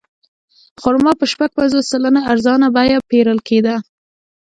خرما په شپږ پنځوس سلنه ارزانه بیه پېرل کېده.